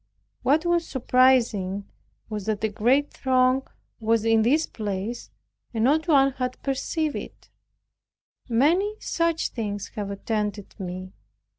What was surprising, a great throng was in this place and not one had perceived it. Many such things have attended me.